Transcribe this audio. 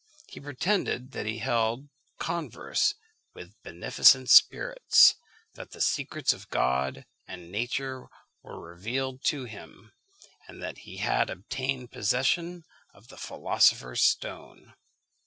He pretended that he held converse with beneficent spirits; that the secrets of God and nature were revealed to him; and that he had obtained possession of the philosopher's stone.